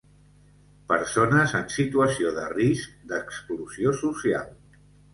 Persones en situació de risc d'exclusió social.